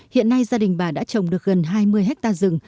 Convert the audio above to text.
hiện nay gia đình bà đã trồng được gần hai mươi hectare rừng